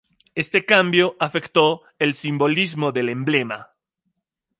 Este cambio afectó el simbolismo del emblema.